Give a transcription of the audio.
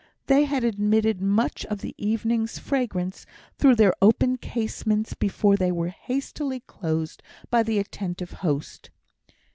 They had admitted much of the evening's fragrance through their open casements, before they were hastily closed by the attentive host.